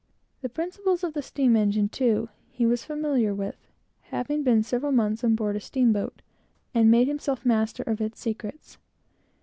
The principles of the steam engine, too, he was very familiar with, having been several months on board of a steamboat, and made himself master of its secrets.